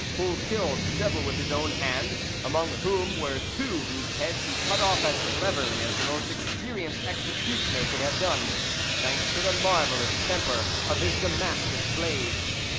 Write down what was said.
Poul killed several with his own hand, among whom were two whose heads he cut off as cleverly as the most experienced executioner could have done, thanks to the marvellous temper of his Damascus blade.